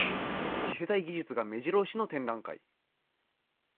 次世代技術がめじろ押しの展覧会